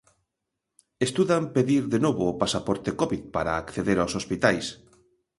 Estudan pedir de novo o pasaporte covid para acceder os hospitais.